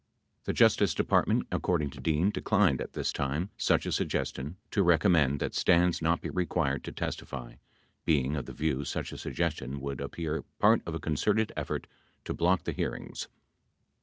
The Justice Department, according to Dean, declined at this time to recommend that Stans not be required to testify, being of the view such a suggestion would appear part of a concerted effort to block the hearings.